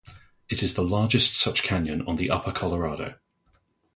It is the largest such canyon on the Upper Colorado.